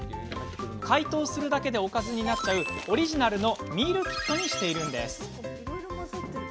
解凍するだけでおかずになっちゃうオリジナルのミールキットにしているんです。